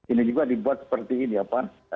ini juga dibuat seperti ini ya pak